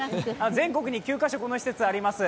全国に９か所、この施設あります。